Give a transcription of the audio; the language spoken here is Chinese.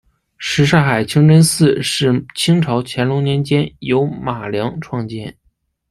什刹海清真寺是清朝乾隆年间由马良创建。